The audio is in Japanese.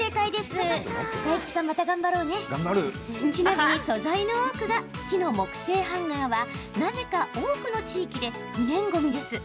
ちなみに素材の多くが木の木製ハンガーはなぜか多くの地域で不燃ごみです。